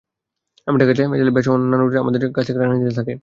আমি টাকা চাইলে ভ্যাটসহ নানা অজুহাতে আমার কাছ থেকে টাকা নিতে থাকে।